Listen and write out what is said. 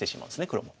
黒も。